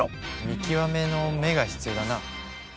見極めの目が必要だな。